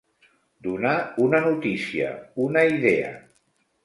Donar una notícia, una idea.